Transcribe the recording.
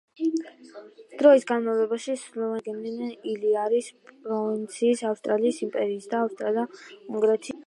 დროის განმავლობაში სლოვენიური მიწები წარმოადგენდნენ: ილირიის პროვინციის, ავსტრიის იმპერიის და ავსტრია-უნგრეთის იმპერიის ნაწილს.